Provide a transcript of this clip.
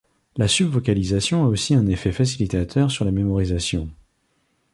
La subvocalisation a aussi un effet facilitateur sur la mémorisation.